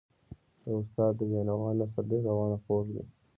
د استاد د بینوا نثر ډېر روان او خوږ دی.